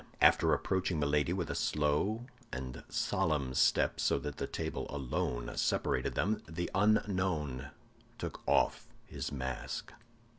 After approaching Milady with a slow and solemn step, so that the table alone separated them, the unknown took off his mask.